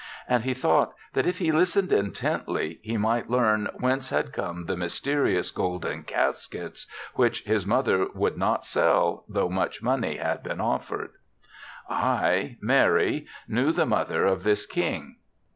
And he thought that if he listened intently he might learn whence had come the myste rious golden caskets, which his mother would not sell though much money had been offered. " I, Mary, knew the mother of this King."